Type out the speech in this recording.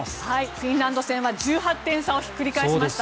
フィンランド戦は１８点差をひっくり返しました。